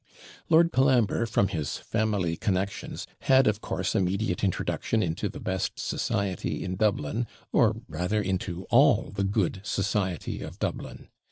Lord Colambre, from his family connexions, had of course immediate introduction into the best society in Dublin, or rather into all the good society of Dublin.